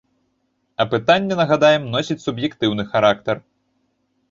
Апытанне, нагадаем, носіць суб'ектыўны характар.